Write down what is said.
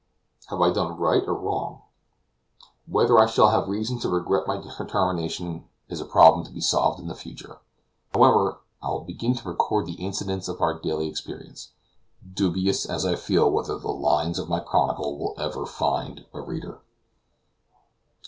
Have I done right or wrong? Whether I shall have reason to regret my determination is a problem to be solved in the future. However, I will begin to record the incidents of our daily experience, dubious as I feel whether the lines of my chronicle will ever find a reader.